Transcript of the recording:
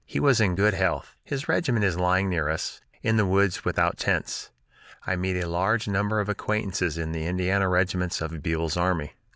He was in good health. His regiment is lying near us, in the woods without tents. I meet a large number of acquaintances in the Indiana regiments of Buell's army.